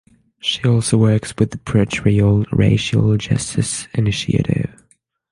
She also works with the Pretrial Racial Justice Initiative.